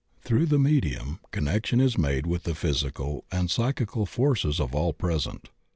Through the medium connection is made with the physical and psychical forces of all present.